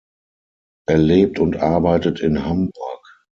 Er lebt und arbeitet in Hamburg.